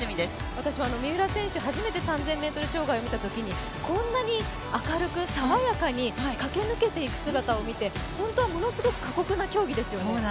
私も三浦選手、初めて３０００ｍ障害を見たときにこんなに明るく爽やかに駆け抜けていく姿を見て本当はものすごく過酷な競技ですよね